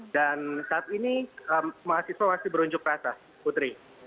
dan saat ini mahasiswa masih berunjuk rasa putri